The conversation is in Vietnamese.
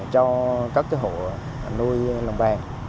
cho các cái hộ nuôi lồng bè